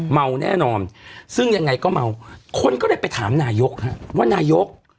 เมาแน่นอนซึ่งยังไงก็เมาคนก็เลยไปถามนายกฮะว่านายก